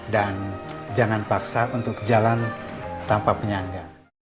dan jangan paksa untuk jalan tanpa penyangga